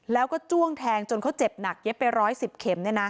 แล้วก็จ้วงแทงจนเขาเจ็บหนักเย็บไปร้อยสิบเข็มเนี่ยนะ